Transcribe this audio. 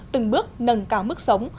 từng bước nâng cao mức sống